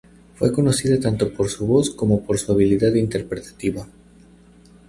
Fue conocida tanto por su voz como por su habilidad interpretativa.